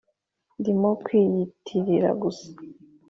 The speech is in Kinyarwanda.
ndimo kwiyitirira gusa.